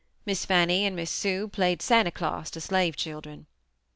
Miss Fannie and Miss Sue played Santa Claus to slave children.